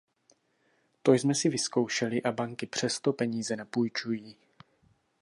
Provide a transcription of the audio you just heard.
To jsme si vyzkoušeli a banky přesto peníze nepůjčují.